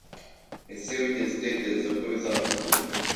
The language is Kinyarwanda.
ese wigeze utekerezako bizakugora